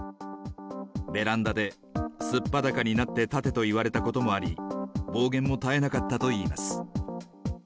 ベランダで素っ裸になって立てと言われたこともあり、暴言も絶えなかったといいます。